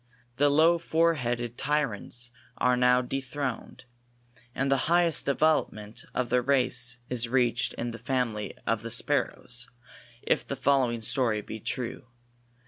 The low foreheaded tyrants are now dethroned, and the highest development of the race is reached in the family of the sparrows, if the following story be true.